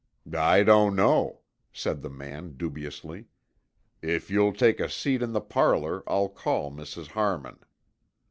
"I don't know," said the man, dubiously. "If you'll take a seat in the parlor I'll call Mrs. Harmon."